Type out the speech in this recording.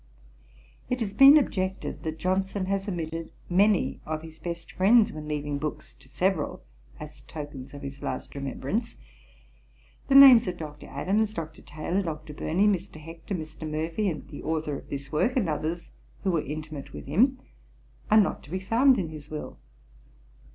It has been objected that Johnson has omitted many of his best friends, when leaving books to several as tokens of his last remembrance. The names of Dr. Adams, Dr. Taylor [F 13], Dr. Burney, Mr. Hector, Mr. Murphy, the Authour of this Work, and others who were intimate with him, are not to be found in his Will.